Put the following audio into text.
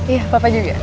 iya papa juga